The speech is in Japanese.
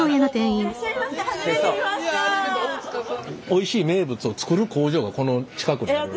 「おいしい名物」を作る工場がこの近くにある。